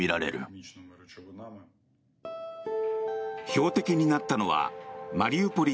標的になったのはマリウポリ